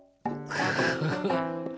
フフフ。